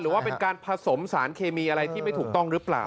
หรือว่าเป็นการผสมสารเคมีอะไรที่ไม่ถูกต้องหรือเปล่า